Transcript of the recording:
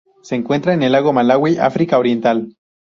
Se encuentra en el lago Malawi, África Oriental.